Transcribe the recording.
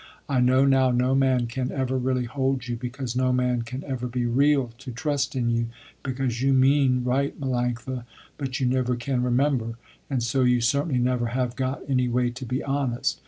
I know now no man can ever really hold you because no man can ever be real to trust in you, because you mean right Melanctha, but you never can remember, and so you certainly never have got any way to be honest.